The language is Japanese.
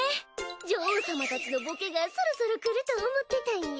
女王様たちのボケがそろそろ来ると思ってたんや。